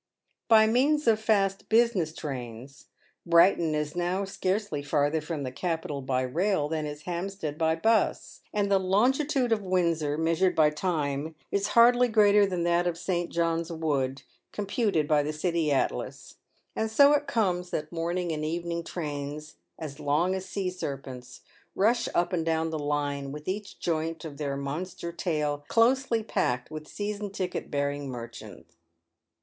By means of fast " business trains," Brighton is now scarcely far ther from the capital "by rail" than is Hampstead by " 'bus ;" and the longitude of Windsor, measured by time, is hardly greater than that of St. John's Wood computed by the " City Atlas." And so it comes that morning and evening trains, as long as sea serpents, rush up and down the line with each joint of their monster tail closely packed with season ticket bearing merchants.